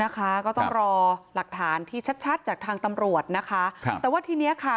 ก็ต้องรอหลักฐานที่ชัดชัดจากทางตำรวจนะคะครับแต่ว่าทีเนี้ยค่ะ